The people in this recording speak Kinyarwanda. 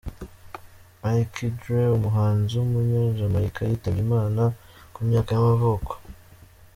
Mikey Dread, umuhanzi w’umunyajamayika yitabye Imana, ku myaka y’amavuko.